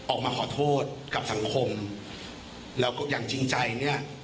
ออกมาขอโทษกับสังคมแล้วก็อย่างจริงใจเนี่ย